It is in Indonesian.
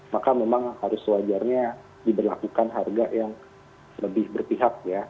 maka memang harus wajarnya diberlakukan harga yang lebih berpihak ya